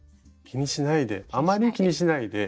気にしないであまり気にしないで。